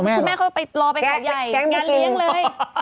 คุณแม่เขาไปรอไปเขาใหญ่งานเลี้ยงเลย